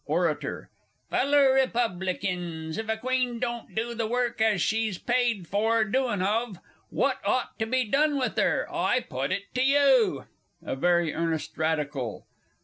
_] ORATOR. Feller Republikins, if a Queen don't do the work as she's paid for doin' of, what ought to be done with 'er? I put it to you! A VERY EARNEST RADICAL.